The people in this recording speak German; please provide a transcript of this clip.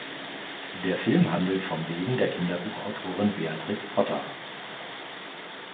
Der Film handelt vom Leben der Kinderbuchautorin Beatrix Potter.